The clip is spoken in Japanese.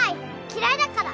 嫌いだから！